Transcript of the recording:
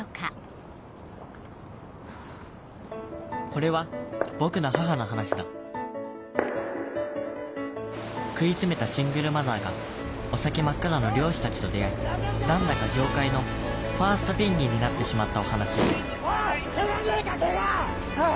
これは僕の母の話だ食い詰めたシングルマザーがお先真っ暗の漁師たちと出会い何だか業界のファーストペンギンになってしまったお話・おい！